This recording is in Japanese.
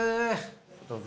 どうぞ。